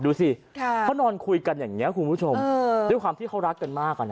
ดูสิเขานอนคุยกันอย่างนี้คุณผู้ชมด้วยความที่เขารักกันมาก